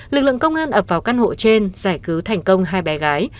lực lượng công an ập vào căn hộ trên giải cứu thành công hai bé gái